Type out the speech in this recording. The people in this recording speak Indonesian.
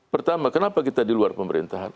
pertama kenapa kita di luar pemerintahan